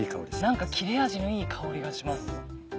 何か切れ味のいい香りがします。